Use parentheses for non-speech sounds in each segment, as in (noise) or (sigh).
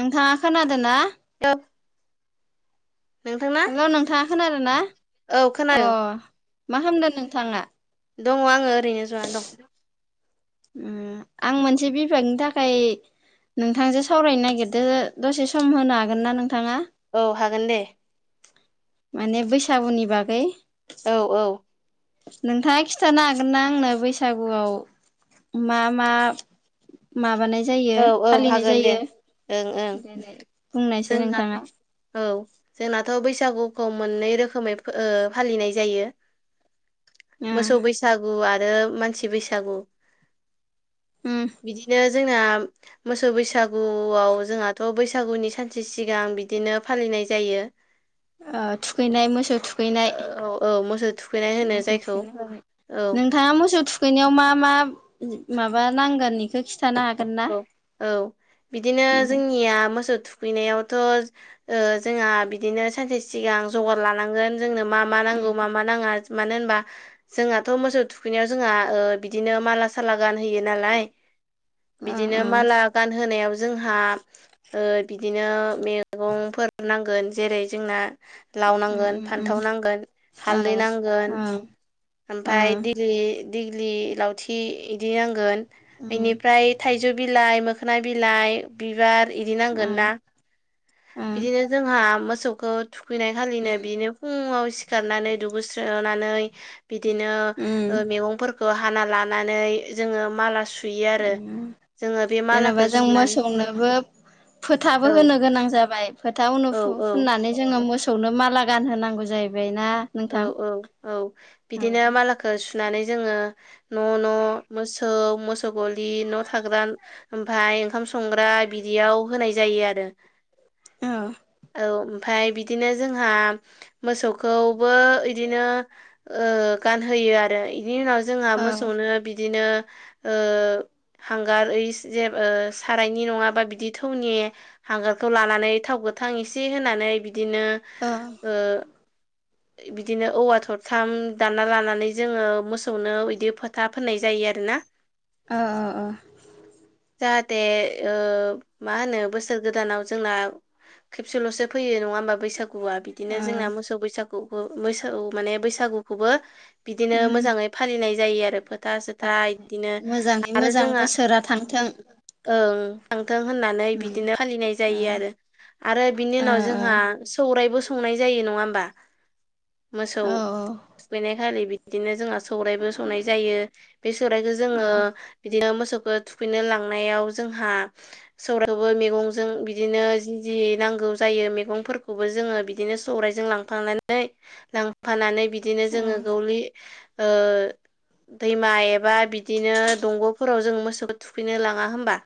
नोंथाङा खोनादों ना द हेल' नोंथाङ ख आरोना औ अ खोनादों मा खालामदों नोंथाङा दङ आङो ओरैनो ज'आ दं आं मोनसे बिफागनि थाखाय नोंथांजों सावरायनो नागिरदो दसे सम होनो हागोन ना नोंथाङा औ हागोन दे माने बैसागुनि बागै औ औ नोंथाङा खिन्थानो हागोन ना आंनो बैसागुआव मा मा माबानाय जायो औ औ फालिनाय हागोन दे जायो? ओं ओं देलाय बुंनायसै जोंना नोंथाङा। औ जोंनाथ' बैसागुखौ मोननै रोखोमै ओ फालिनाय जायो। ओ मोसौ बैसागु आरो मानसि बैसागु उम बिदिनो जोंना मोसौ बैसागुआव जोंहाथ' बैसागुनि सानसे सिगां बिदिनो फालिनाय जायो (inaudible) ओ थुखैनाय मोसौ थुखैनाय औ औ मोसौ थुखैनाय होनो मोसौ जायखौ थुखैनाय जाबाय औ। मोस मोसौ थुखैनायाव मा मा माबा नांगोन बेखौ खिथ खिथानो हागोन। ना? औ औ बिदिनो दे जोंनिया मोसौ थु थुखैनायावथ'ओ जोंहा बिदिनो सानसे सिगां जगार लानांगोन। जोंनो मा मा नांगौ मा ओ मा नाङा मानो होनबा जोंहाथ' मोसौ थुखैनायाव जोंहा ओ बिदिनो माला साला गानहोयो नालाय। बिदिनो ओ माला गानहोनायाव जोंहा ओ बिदिनो मैगंफोर नांगोन जेरै जोंना लाव उम नांगोन उम उम फान्थाव नांगोन ओ हालदै नांगोन। ओ ओ ओमफ्राय दिललि दिग्लि लावथि इदि नांगोन। उम बेनिफ्राय थाइजौ बिलाइ मोखोना बिलाइ बिबार इदि उम नांगोन ना। उम बिदिनो जोंहा मोसौखौ थुखैनाय खालिनो बिदिनो फुंङाव सिखारनानै दुगैस्रोनानै बिदिनो उम ओ मैगंफोरखौ हाना लानानै जोङो माला सु सुयो आरो उम जोङो बे जेनेबा मालाखौ जों सुनानै मोसौनोबो फोथाबो औ होनो गोनां जाबाय फोथा उनाव औ फु- औ फुननानै जोङो मोसौनो माला गानहोनांगौ जाहैबाय ना, औ नोंथां? औ औ औ बिदिनो मालाखौ सुनानै जोङो न' न' मोसौ मोसौ गलि न' थाग्रा ओमफ्राय ओंखाम संग्रा बिदियाव होनाय जायो आरो। औ। औ ओमफ्राय बिदिनो जोंहा मोसौखौ बो इदिनो ओ गानहोयो आरो बेनि उनाव जोंहा औ मोसौनो बिदिनो ओ हांगार इस ओ जे सारायनि नङाबा बिदि थौनि हांगारखौ लानानै थाव गोथां एसे होनानै बिदिनो ओ बिदिनो औवा थरथाम दानना लानानै जोङो मोसौनो बिदि फोथा फोननाय जायो आरोना अ' अ' अ' जाहाथे ओ मा होनो बोसोर गोदानाव जोंना खेबसेल'सो फैयो नङा होमबा बैसागु गुआ बिदिनो औ ओ जोंना मोसौ बैसागुखौ मोसौ माने बैसागुखौबो बिदिनो उम मोजाङै फालिनाय जायो आरो। (unintelligible) इदिनो मोजाङै आरो मोजां जोंहा बोसोरा थांथों ओं थांथों होननानै उम बिदिनो फालिनाय ओ जायो आरो। आरो बिनि ओ उनाव जोंहा सौरायबो संनाय जायो नङा होमबा? मोसौ औ थुखैनाय खालि बिदिनो जोंहा सौरायबो सौनाय जायो बे सौराइखौ जोङो बिदिनो मोसौखौ थुखैनो लांनायाव जोंहा सौरायखौबो मैगंजों बिदिनो जि जि नांगौ जायो मैगंफोरखौबो जोङो बि बिदिनो सौरायजों लांफानानै लांफानानै बिदिनो औ जोङो गौलि ओ दैमा एबा बिदिनो दंग'फोराव जों मोसौखौ थुखैनो लाङा होनबा?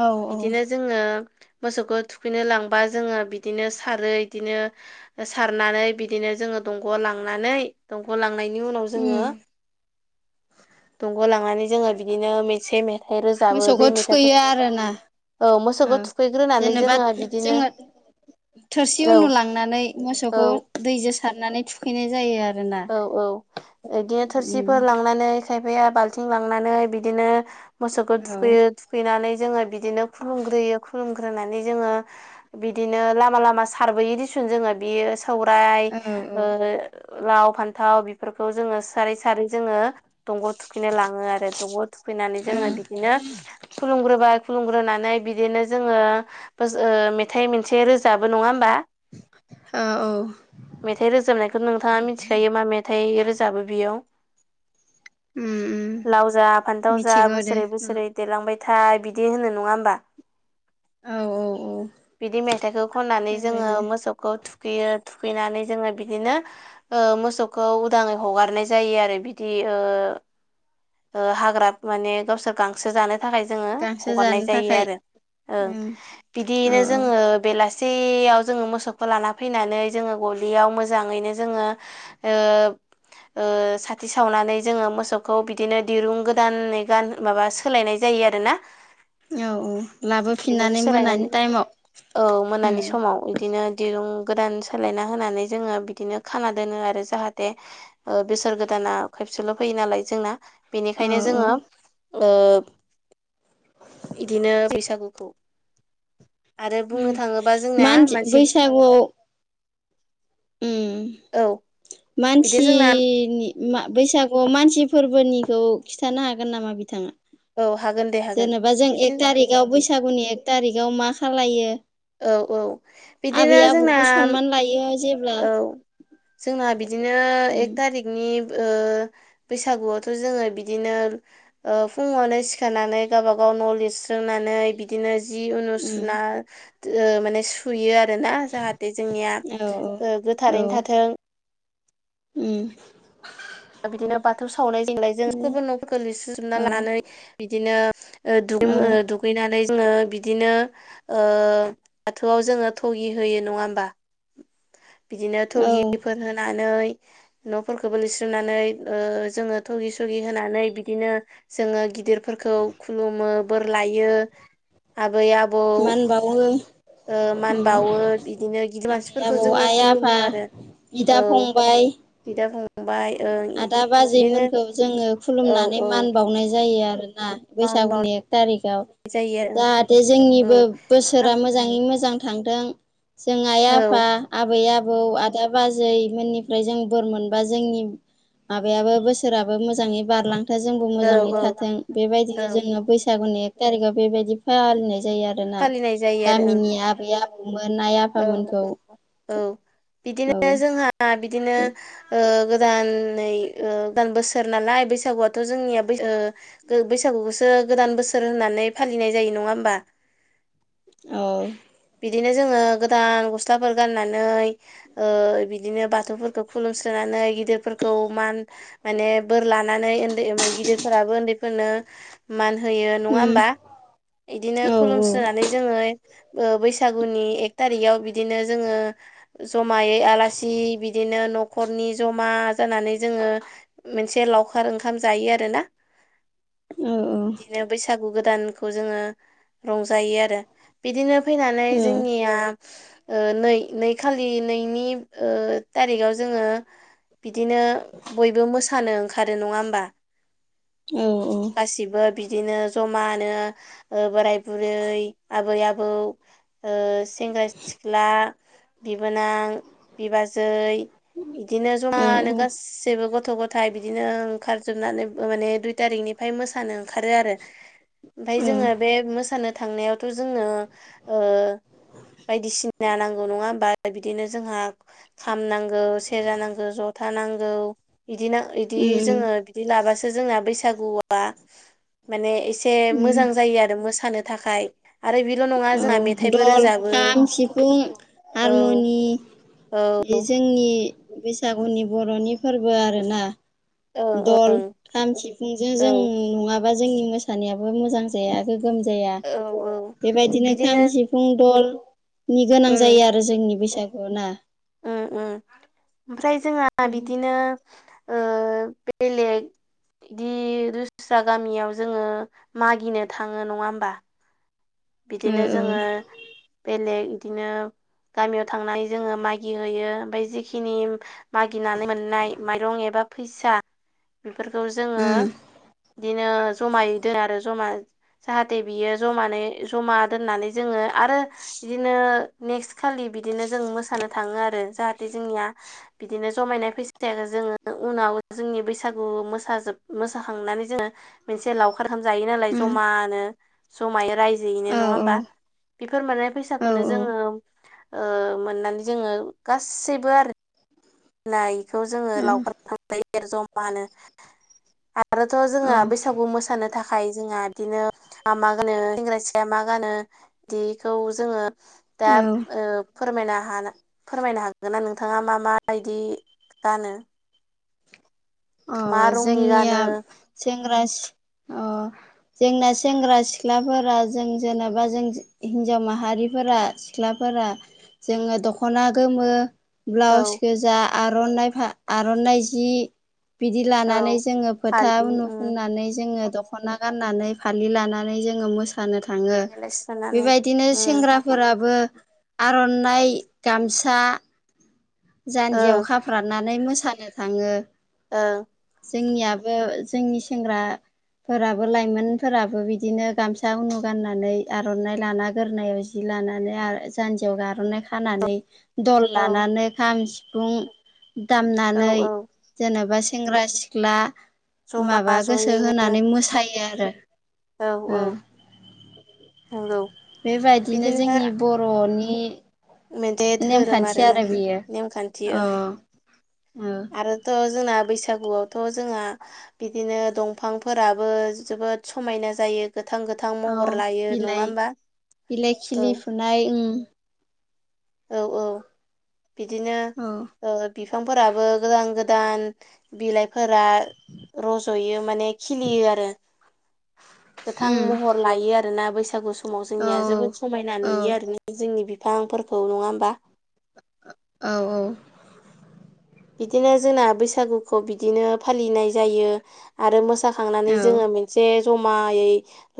औ औ बिदिनो जोङो मोसौखौ थुखैनो लांबा जोङो बिदिनो सारो इदिनो ओ सारनानै बिदिनो जोङो दंग' लांनानै दंग' लांनायनि उनाव जोङो उम दंग' लांनानै जोङो बिदिनो मेसे मेथाइ रोजाबो मोसौखौ बे थुखैयो आरोना मेथाइफोर औ ओ मोसौखौ थुखैग्रोनानै जेनेबा जोङो बिदिनो जोङो थोरसि औ उनुलांनानै औ मोसौखौ दैजों सारनानै थुखैनाय जायो आरो। औ औ बिदिनो उम थोरसिफोर लांनानै खायफाया बाल्थिं लांनानै बिदिनो मोसौखौ औ थुखैयो थुखैनानै जोङो बिदिनो खुलुमग्रोयो। खुलुमग्रोनानै जोङो बिदिनो लामा लामा सारबोयो दिसुन जोङो बियो सौराय औ औ ओ लाव फान्थाव बेफोरखौ जोङो सारै सारै जोङो। दंग' थुखैनो लाङो आरो दंग' थुखैनानै जोङो उम बिदिनो खुलुमग्रोबाय खुलुमगो ग्रोनानै बिदिनो जोङो ओ मेथाइ मोनसे रोजाबो नङा होमबा? औ औ मेथाइ रोजाबनायखौ नोंथाङा मिनथि मा मेथाइ रोजाबो बेयाव उम उम लाव जा फान्थाव जा मिथिगौ दे बोसोरै औ बोसोरै देरलांबायथा बिदि होनो नङा होमबा? औ औ बिदि मेथाइखौ खननानै जोङो बेबायदिनो मोसौ खौ थुखैयो। थुखैनानै जोङो बिदिनो ओ मोसौखौ उदाङै हगारनाय जायो आरो। बिदि ओ ओ हाग्रा माने गावसोर गांसो जानाय थाखाय जोङो गांसो हगारनाय जानो जायो थाखाय आरो, ओं उम औ बिदियैनो औ जोङो बेलास सेयाव जोङो मोसौखौ लाना फैनानै जोङो गलियाव मोजाङैनो जोङो। ओ ओ साथि सावनानै जोङो मोसौखौ बिदिनो दिरुं गोदानै गान माबा सो सोलायनाय जायो आरो ना। औ औ लाबोफिननानै सोलायनानै मोनानि टाइमाव उम दिनो दिरुं गोदान सोलायना होनानै जोङो बिदिनो खाना दोनो आरो जाहाथे ओ बोसोर गोदाना खेबसेल' फैयो नालाय जोंना। औ बेनिखायनो औ जोङो ओ इदिनो बैसागुखौ आरो बुंनो थाङोबा जोंनाया मानसि अ' औ उम बिदि जोंना मानसिनि मा बैसागु मानसि फोरबोनिखौ खिन्थानो हागोन नामा बिथाङा? औ हागोन दे। हागोन जेनेबा जों एक बिदिनो थारिकाव बैसागुनि एक थारिकाव मा खालायो? औ औ बिदिनो जोंना एयो जेब औ जोंना बिदिनो उम एक थारिख नि ओ बैसागुआवथ' जोङो बिदिनो ओ फुङावनो सिखारानानै गावबा गाव न' लिरस्रोंनानै बिद दिनो जि ओ उम सुना ओ माने सु सुयो आरोना। जाहाथे जोंनिया औ ओ गोथारैनो थाथों उम दा बिदिनो बाथौ सावनाय जेंनाय जों न'फोरखौ लिरसोजोबना औ लानानै बिदिनो ओ दुगै औ मो दुगैनानै जोङो। बिदिनो ओ बाथौआव जोङो थ'गि होयो नङा होमबा? बिदिनो औ थ'गिफोर होनानै न'फोरखौबो लिरस्रोनानै ओ जोङो थुगि सगि होनानै बिदिनो जोङो गिदिरफोरखौ खुलुमो बोर लायो। आबै, आब मा होनबावो ओ मान बाावो बिदिनो गिदिर आबै मानसिफोरखौ आबौ जोङो आइ आफा खुलुमो आरो बिदा औ फंबाय बिदा फंबाय ओं आदा बाजै बिदिनो मोनखौ जोङो औ खुलुमनानै औ मान बावनाय जायो आरोना मान बैसागुनि एक थारिकाव बावनाय जायो जाहाथे आरो औ जोंनिबो बोसोरा मो मोजाङै मोजां थांथों जों आइ, औ आफा आबै, आबौ आ दा बाजै मोननिफ्राय जों बोर मोनबा जोंनि माबायाबो बोसोराबो मोजाङै बारलां दा जोंबो मोजाङै औ औ थाथों औ बेबायदिनो जोङो बैसागुनि एखथारिखाव बे बायदि फालिनाय जायो आर गोना फालिनाय जायो आरो गामिनि आबै आबौ मोन आइ ओं औ आफामोनखौ औ औ आ बिदिनो ओ गोदानै गोदान ओ बोसोर नालाय बैसागुआथ' जोंनिया बै ओ गु बैसागुखौसो गोदान बोसोर होननानै फालिनाय जायो नङा होमबा औ बिदिनो जोङो गोदान गस्लाफोर गाननानै ओ बिदिनो बाथौफोरखौ खुलुमस्रोनानै गिदिरफोरखौ माने बोर लानानै उन्दै गिदिरफोराबो उन्दैफोरनो मान होयो नङा उम होमबा बिदिनो औ खुलुमस्रा ओ बैसागुनि एक थारिखआव बिदिनो जोङो जमायै आलासि बिदिनो न'खरनि जमा जानानै जोङो मोनसे लावखार ओंखाम जायो आरो ना औ औ बिनो बैसागु गोदानखौ जोङो रंजायो आरो बिदिनो फैनानै औ जोंनिया ओ नै नै खालि नैनि ओ थारिखाव जोङो बिदिनो बयबो मोसानो ओंखारो नङा होमबा औ औ गासिबो बिदिनो जमानो ओ बोराय बुरै आबै आबौ ओ सेंग्रा सिख्ला बिबोनां बिबाजै बिदिनो जमानो औ गासैबो गथ' गथ' थाय बिदिनो ओंखारजोबनानै माने दुइ थारिकनि ओमफाय मोसानो ओंखारो आरो ओमफाय (unintelligible) बायदिसिना नांगौ नङा होमबा बिदिनो जोंहा खाम नांगौ सेरजा नांगौ जथा नांगौ बिदिनो इदि उम जोङो बिदि लाबासो जोंना बैसागुआ माने इसे एसे उम मोजां जायो आरो मोसानो थाखाय आरो बेल न औ दल खाम सिफुं औ हारमुनि औ बे जोंनि बैसागुनि बर'नि फोरबो आरोना ओं दल ओं खाम सिफुंजों औ जों नङाबा जोंनि मोसानायाबो मोजां जाया गोमजाया औ औ बेबायदिनो खाम बिदिनो सिफ फुं दलनि गोनां जायो आरो जोंनि बैसागुआव‌ ना ओ ओ ओमफ्राय जोंहा बिदिनो बेलेग बिदि दस्रा गामियाव जोङो मागिनो थाङो नङा होमबा ओ बिदिनो औ जोङो बेलेग बिदिनो गामियाव थांनानै जोङो मागि होयो ओमफ्राय जिखिनि मागिनानै मोननाय माइरं एबा फैसा बेफोरखौ जोङो उम बिदिनो जमायै दोन आरो जमा जाहाथे बियो जानै जमा दोननानै जोङो आरो बिदिनो नेक्सखालि बिदिनो जों मोसानो थाङो आरो। जाहाथे जोंनिया बिदिनो जमायनाय फैसाखौ जोङो उनाव जोंनि बैसागु मोसाजोब मोसाखांनानै जोङो मोनसे लावखार ओंखाम जायो नालाय उम जमानो। जमायै रायजो यैनो औ नङा होमबा? औ बेफोर माने औ फैसाखौनो जोङो ओ मोननानै जोङो गासैबो आरो नायखौ जोङो उम लावखाराव ओंखाम जमानो आरोथ' जोङो औ बैसागु मोसानो थाखाय जोंहा बिदिनो मा मा गानो सेंग्रा सिया मा गानो बिखौ जोङो दा औ फोरमायनो हानाय फोरमायनो हागोनना नोंथाङा मा मा बायदि गानो अ मा रंनि जोंनिया गानो सेंग्रा सि अ जोंना सेंग्रा सिख्लाफोरा जों जेनेबा जों हिन्जाव माहारिफोरा सिख्लाफोरा जोङो दख'ना गोमो औ ब्लाउस गोजा आर'नाइ फा आर'नाइ जि, बिदि औ लानानै जोङो फोथा फालि उनु उम फुननानै जोङो दख' दखना गाननानै फालि लानानै जोङो मोसानो थाङो। देलाय बे सोनानै बायदिनो उम सेंग्रा फोराबो आर'नाइ, गामसा, जान्जियाव ओं खाफ्रानानै मोसानो थाङो। ओं। जोंनियाबो जोंनि सेंग्रा फोराबो लाइमोनफोराबो बिदिनो गामसा उनु गाननानै आर'नाइ लाना गोदोनायाव जि लानानै आरो जान्जियाव आर'नाइ खानानै दल औ लानानै खाम-सिफुं दामनानै औ औ जेनेबा सेंग्रा सिख्ला जमा माबा गोसो जयैनो होनानै मोसायो आरो औ ओ औ नंगौ। बे बायदिनो बिदिनो जोंनि बर'नि मोनसे धोरोम नेमखान्थि आरोना आरो बे बेयो नेमखान्थि औ ओं। औ आरो थ' जोंना बैसागुआवथ' जोंहा बिदिनो दंफांफोराबो जोबोद समायना जायो, गोथां-गोथां गोथां औ महर लायो नङा होमबा? औ। नाय उम औ औ बिदिनो। औ बिफांफोराबो गोदान गोदान बिलाइफोरा रज'यो माने खिलियो आरो। गोथां उम महर लायो आरोना बैसागु समाव औ जोंनिया जोबोद समायना औ नुयो आरो। जोंनि बिफांफोरखौ नङा होमबा? औ औ। बिदिनो जोंना बैसागुखौ बिदिनो फालिनाय जायो। आरो मोसा थांनानै औ जोङो मोनसे जमायै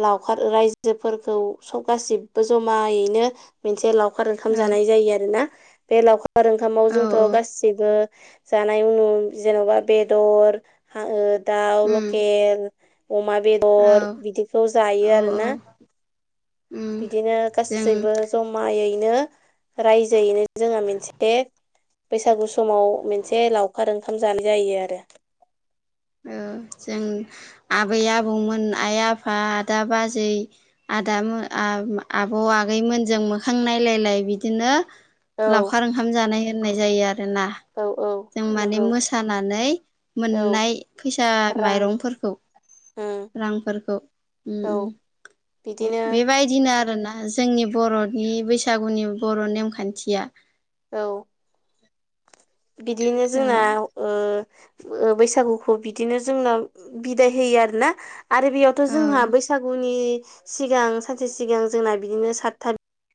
लावखार रायजोफोरखौ सब गासिबो जमायैनो मोनसे लावखार ओंखाम जानाय जायो आरो ना। बे लावखार ओंखामाव औ जोंथ' गाससिबो जानाय उनाव जेन'बा बेदर, दाउ लकेल अमा बे दर बिदिखौ जायो औ आरोना। बिदिनो जों गासैबो जमायैनो रायजोयैनो जोंहा मोनसे बैसागु समाव मोनसे लावखार ओंखाम जानाय जायो आरो। औ जों आबै-आबौमोन, आइ-आफा, आदा-बाजै आदाम आबौ आगैमोनजों मोखां नायलायलाय बिदिनो लावखार ओंखाम जानाय होननाय जायो आरोना। औ औ जों माने नंगौ मोसानानै औ मोननाय फैसा, रां माइरंफोरखौ उम रांफोरखौ उम औ उम बिदिनो बेबायदिनो आरोना जोंनि बर'नि बैसागुनि बर' नेमखान्थिया औ। बिदिनो औ जोंनाव ओ ओ बैसागुखौ बिदिनो जोंना बिदाय होयो आरोना आरो बेयाव थ' जोंहा औ बैसागुनि सिगां सानसे सिगां जोंना बिदिनो सात था